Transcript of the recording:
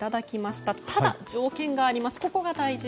ただ、条件があります。